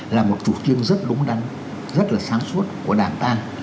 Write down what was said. là một chủ trương rất đúng đắn rất là sáng suốt của đảng ta